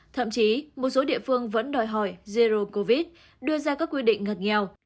thậm chí một số địa phương vẫn đòi hỏi zero covid đưa ra các quy định ngặt nghèo